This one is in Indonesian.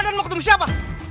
kita mau ketemu siapa